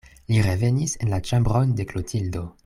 Li revenis en la ĉambron de Klotildo.